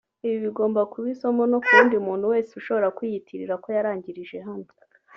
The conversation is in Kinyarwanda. Ibi bigomba kuba isomo no ku wundi muntu wese ushobora kwiyitirira ko yarangije hano